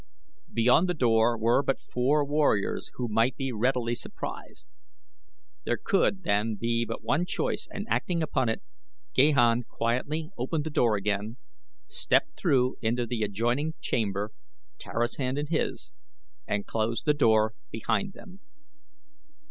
Beyond the door were but four warriors who might be readily surprised. There could, then, be but one choice and acting upon it Gahan quietly opened the door again, stepped through into the adjoining chamber, Tara's hand in his, and closed the door behind them.